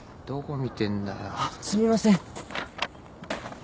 どこ見てんだよ。あっすみません。